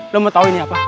lu mau tau ini apa